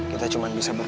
kita cuma bisa berdua